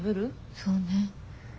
そうねぇ。